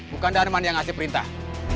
bukan darman yang ngasih perintah